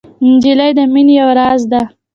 نجلۍ د مینې یو راز ده.